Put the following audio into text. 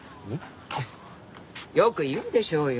よく言うでしょうよ。